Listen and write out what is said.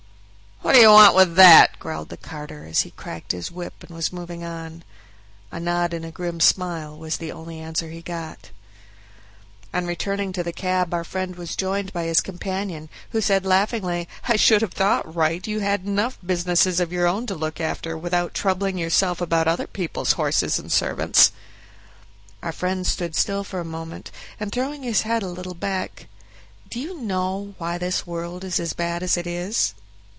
"What do you want with that?" growled the carter, as he cracked his whip and was moving on. A nod and a grim smile was the only answer he got. On returning to the cab our friend was joined by his companion, who said laughingly, "I should have thought, Wright, you had enough business of your own to look after, without troubling yourself about other people's horses and servants." Our friend stood still for a moment, and throwing his head a little back, "Do you know why this world is as bad as it is?"